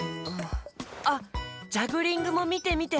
あっジャグリングもみてみて。